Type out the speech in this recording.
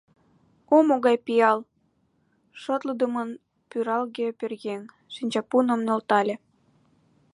О могай пиал! — шотлыдымын пӱргале пӧръеҥ, шинчапуным нӧлтале.